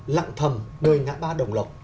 lặng thầm nơi ngã ba đồng lộc